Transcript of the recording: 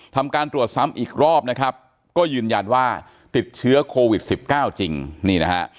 ทำการตรวจซ้ำอีกรอบนะครับก็ยืนยันว่าติดเชื้อโควิด๑๙จริงนี่นะฮะ